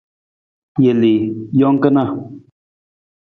Jelii, jang kana.